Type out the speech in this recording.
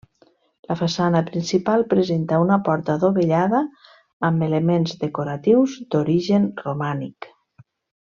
La façana principal presenta una porta dovellada amb elements decoratius d'origen romànic.